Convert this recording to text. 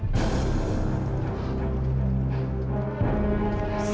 saya tidak mau ribut sama dia